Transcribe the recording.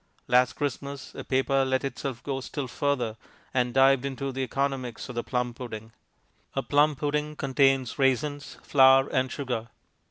Last Christmas a paper let itself go still further, and dived into the economics of the plum pudding. A plum pudding contains raisins, flour, and sugar.